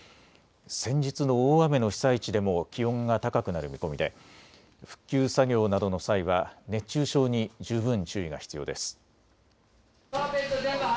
先日の大雨の被災地でも気温が高くなる見込みで復旧作業などの際は熱中症に十分注意が必要です。